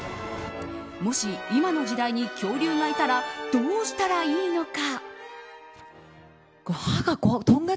もし、今の時代に恐竜がいたらどうしたらいいのか？